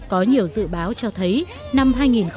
có nhiều dự báo cho thấy năm hai nghìn một mươi tám